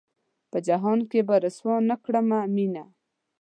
پۀ جهان کښې به رسوا نۀ کړمه مينه